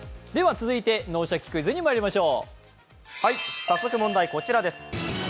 続いて「脳シャキ！クイズ」にまいりましょう。